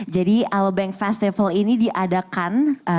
jadi alobank festival ini diadakan